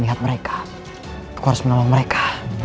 tidak melihat mereka